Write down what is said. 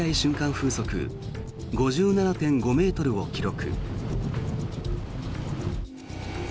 風速５７．５ｍを記録。